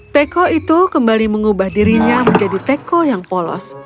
teko itu kembali mengubah dirinya menjadi teko yang polos